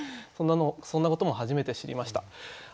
そんなことも初めて知りました。